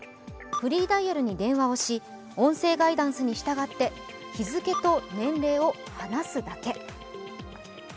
フリーダイヤルに電話をし音声ガイダンスに従って日付と年齢を話すだけ。